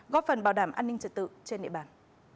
góp phần bảo đảm an ninh trật tự trên địa bàn